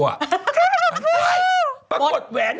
ทำไมปะกดแหวน